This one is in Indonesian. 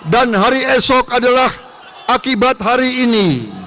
dan hari esok adalah akibat hari ini